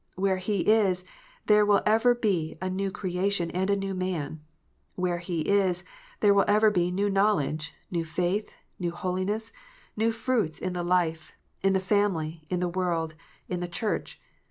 Where He is, there will ever be a new creation, and a new man. Where He is, there will ever be new knowledge, new faith, new holiness, new fruits in the life, in the family, in the world, in the Church.